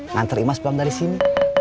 ngantar imas pulang dari sini